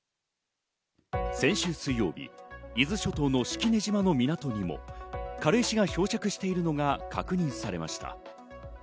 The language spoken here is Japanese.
先週水曜日、伊豆諸島の式根島の港にも軽石が漂着しているのが確認されました。